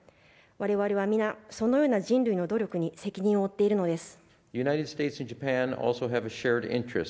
我々は皆そのような人類の努力に責任を負っているのです。